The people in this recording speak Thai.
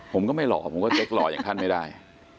ผมก็ไม่หล่อผมก็เช็คหล่ออย่างท่านไม่ได้